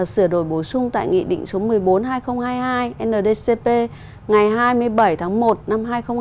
sửa đổi bổ sung tại nghị định số một mươi bốn hai nghìn hai mươi hai ndcp ngày hai mươi bảy tháng một năm hai nghìn hai mươi